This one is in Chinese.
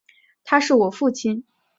他是我父亲